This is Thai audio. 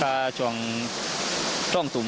ข้าส่วนช่องสูง